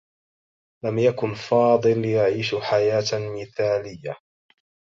لم يكن فاضل يعيش حياة مثاليّة.